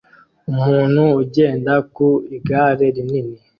Umuntu ugenda ku igare rinini